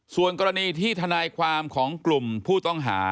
ส่วนกรณีที่ทนายความของกลุ่มผู้ต้องหา